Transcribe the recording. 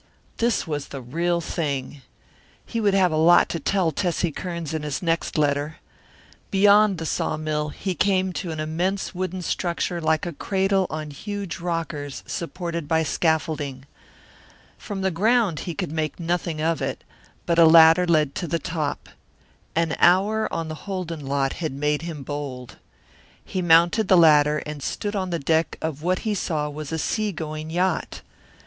This was the real thing. He would have a lot to tell Tessie Kearns in his next letter. Beyond the sawmill he came to an immense wooden structure like a cradle on huge rockers supported by scaffolding. From the ground he could make nothing of it, but a ladder led to the top. An hour on the Holden lot had made him bold. He mounted the ladder and stood on the deck of what he saw was a sea going yacht.